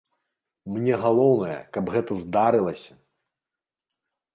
Мне галоўнае, каб гэта здарылася!